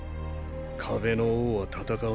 壁の王は戦わない。